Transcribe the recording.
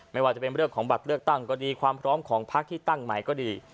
ไม่ว่าจะเป็นเรื่องของบัตรเลือกตั้งก็ดีความพร้อมของพักที่ตั้งใหม่ก็ดี